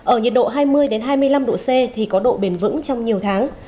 ở nhiệt độ hai mươi hai mươi năm độ c thì có độ bền vững trong nhiều tháng